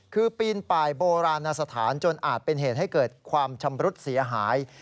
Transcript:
คือปีนป่ายโบราณสถานจนอาจเป็นเหตุให้เกิดความชำรุดเสียหาย